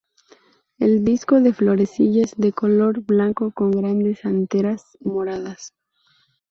El disco de florecillas son de color blanco con grandes anteras moradas.